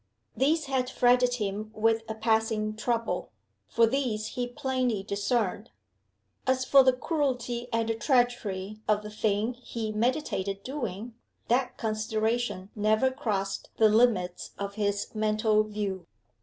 These had fretted him with a passing trouble; for these he plainly discerned. As for the cruelty and the treachery of the thing he meditated doing that consideration never crossed the limits of his mental view.